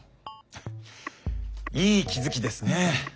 いい気付きですね。